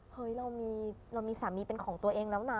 เฮ้ยเรามีสามีเป็นของตัวเองแล้วนะ